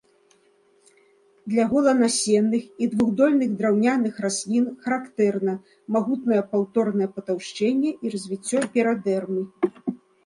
Для голанасенных і двухдольных драўняных раслін характэрна магутнае паўторнае патаўшчэнне і развіццё перыдэрмы.